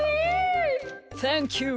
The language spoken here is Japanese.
サンキュー。